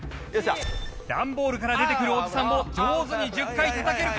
段ボールから出てくるおじさんを上手に１０回叩けるか？